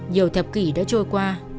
nhiều thập kỷ đã trôi qua